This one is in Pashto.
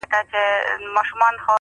دوی پخپله هم یو بل سره وژله!.